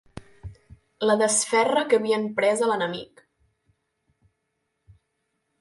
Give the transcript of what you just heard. La desferra que havien pres a l'enemic.